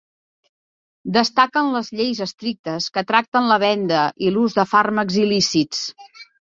Destaquen les lleis estrictes que tracten la venda i l'ús de fàrmacs il·lícits.